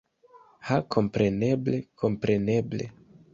Ha kompreneble kompreneble